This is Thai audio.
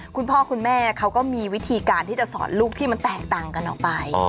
คุณพ่อคุณแม่เขาก็มีวิธีการที่จะสอนลูกที่มันแตกต่างกันออกไป